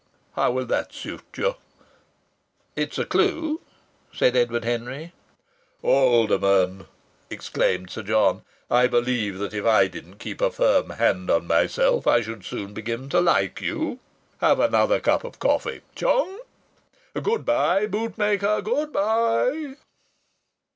How will that suit you?" "It's a clue," said Edward Henry. "Alderman!" exclaimed Sir John, "I believe that if I didn't keep a firm hand on myself I should soon begin to like you. Have another cup of coffee. Chung!... Good bye, Bootmaker, good bye!"